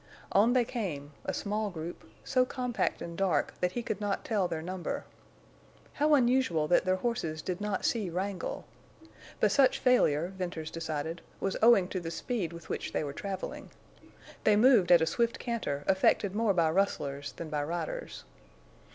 On they came, a small group, so compact and dark that he could not tell their number. How unusual that their horses did not see Wrangle! But such failure, Venters decided, was owing to the speed with which they were traveling. They moved at a swift canter affected more by rustlers than by riders.